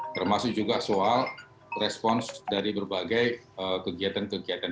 termasuk juga soal respons dari berbagai kegiatan kegiatan